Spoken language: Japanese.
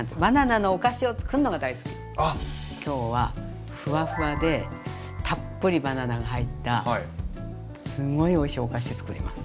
バナナの今日はフワフワでたっぷりバナナが入ったすごいおいしいお菓子つくります。